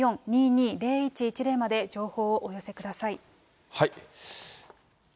０５５４ー２２ー０１１０まで情報をお寄せください。